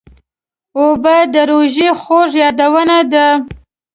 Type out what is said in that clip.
اوبه د روژې خوږ یادونه ده.